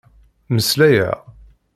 Mmeslayeɣ.